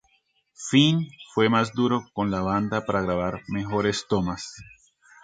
Finn fue más duro con la banda para grabar mejores tomas.